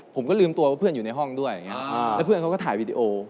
ผมก็ลืมตัวว่าเพื่อนอยู่ในห้องด้วยอย่างนี้แล้วเพื่อนเขาก็ถ่ายวีดีโอ